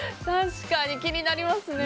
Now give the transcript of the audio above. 確かに気になりますね。